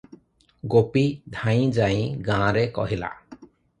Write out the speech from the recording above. ଗୋପୀ ଧାଇଁ ଯାଇଁ ଗାଁରେ କହିଲା ।